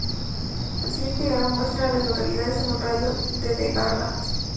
El siguiente diagrama muestra a las localidades en un radio de de Garland.